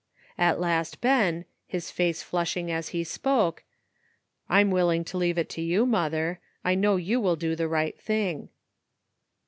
At last Ben, his face flushing as he spoke, *'rm willing to leave it to you, mother. I know you will do the right thing."